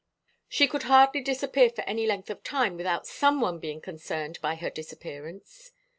She could hardly disappear for any length of time without some one being concerned by her disappearance.